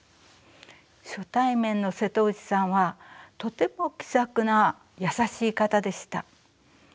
初対面の瀬戸内さんはとても気さくな優しい方でした。